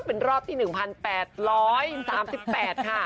เป็นรอบที่๑๘๓๘ค่ะ